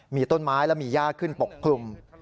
มีต้นไม้และมีย่าขึ้นปกคลุม